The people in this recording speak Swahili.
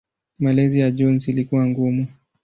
Malezi ya Jones ilikuwa ngumu.